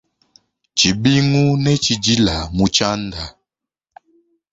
Tshibingu ne tshdila mu tshianda.